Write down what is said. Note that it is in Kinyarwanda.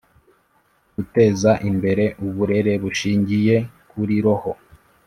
Guteza imbere uburere bushingiye kuri Roho